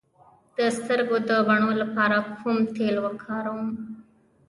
د سترګو د بڼو لپاره کوم تېل وکاروم؟